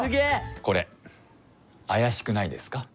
これあやしくないですか？